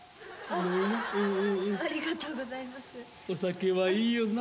あ酒はいいよな。